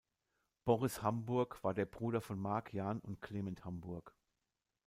Boris Hambourg war der Bruder von Mark, Jan und Clement Hambourg.